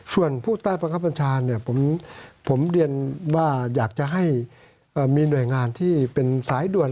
ส่วนผู้ใต้บังคับบัญชาเนี่ยผมเรียนว่าอยากจะให้มีหน่วยงานที่เป็นสายด่วน